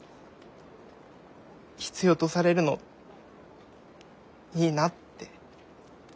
必要とされるのいいなって。